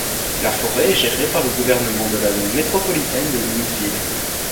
La forêt est gérée par le gouvernement de la zone métropolitaine de Louisville.